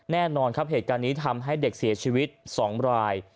แน่นอนครับเหตุการณ์นี้ทำให้เด็กเสียชีวิต๒ราย